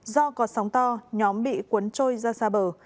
do có sóng to nhóm bị cuốn trôi ra xa bờ